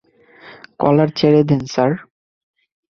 কলার ছেড়ে দেন, স্যার।